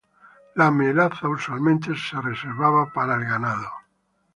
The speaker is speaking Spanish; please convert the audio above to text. La melaza usualmente se reservaba para el ganado.